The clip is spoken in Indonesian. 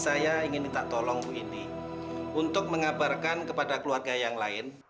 saya ingin minta tolong bu ini untuk mengabarkan kepada keluarga yang lain